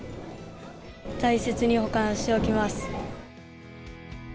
大切に保管しておきます。